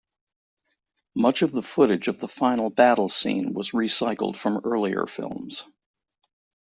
Much of the footage of the final battle scene was recycled from earlier films.